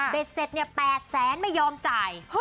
เสร็จเนี่ย๘แสนไม่ยอมจ่าย